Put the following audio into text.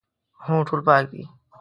هو، ټول پاک دي